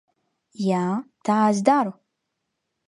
Jā, tā es daru.